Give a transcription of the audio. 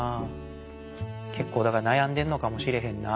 けっこうだからなやんでんのかもしれへんな。